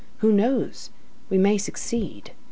Who knows? We may succeed.